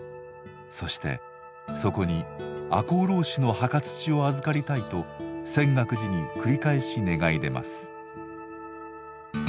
そしてそこに赤穂浪士の墓土を預かりたいと泉岳寺に繰り返し願い出ます。